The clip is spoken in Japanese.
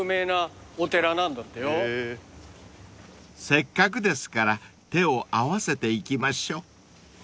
［せっかくですから手を合わせていきましょう］